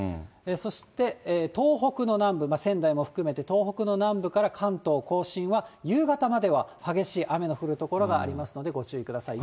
そして東北の南部、仙台も含めて、東北の南部から関東甲信は夕方までは激しい雨の降る所がありますのでご注意ください。